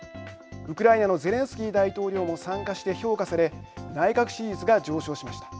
ウクライナのゼレンスキー大統領を参加して評価され内閣支持率が上昇しました。